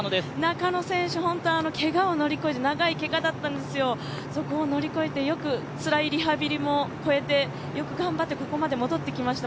中野選手、けがを乗り越えて長いけがだったんですよ、そこを乗り越えてよくつらいリハビリもこえて、よく頑張ってここまで戻ってきました。